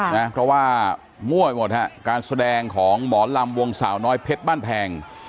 นะเพราะว่ามั่วหมดฮะการแสดงของหมอลำวงสาวน้อยเพชรบ้านแพง